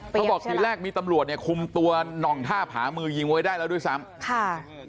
บอกทีแรกมีตำรวจเนี่ยคุมตัวน่องท่าผามือยิงไว้ได้แล้วด้วยซ้ำค่ะ